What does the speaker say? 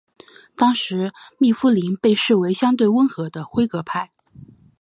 当时密夫林被视为相对温和的辉格派。